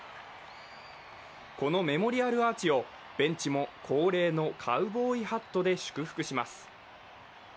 このメモリアルアーチをベンチも恒例のカウボーイハットで祝福します。